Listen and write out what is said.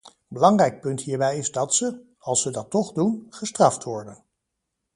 Belangrijk punt hierbij is dat ze, als ze dat toch doen, gestraft worden.